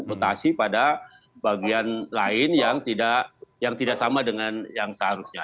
mutasi pada bagian lain yang tidak sama dengan yang seharusnya